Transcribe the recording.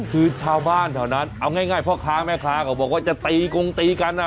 คือชาวบ้านแถวนั้นเอาง่ายพ่อค้าแม่ค้าก็บอกว่าจะตีกงตีกัน